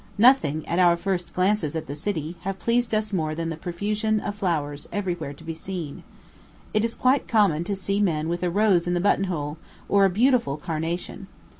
Nothing, at our first glances at the city, have pleased us more than the profusion of flowers every where to be seen. It is quite common to see men with a rose in the button hole, or a beautiful carnation.